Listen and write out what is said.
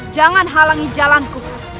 jangan halangi jalanku